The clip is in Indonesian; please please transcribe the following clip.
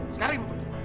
sekarang ibu pergi